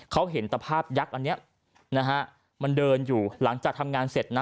เขาเห็นตภาพยักษ์อันนี้นะฮะมันเดินอยู่หลังจากทำงานเสร็จนะ